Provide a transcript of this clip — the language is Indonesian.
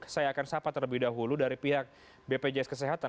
saya akan sapa terlebih dahulu dari pihak bpjs kesehatan